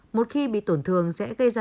một khi bị tổn thương sẽ gây ra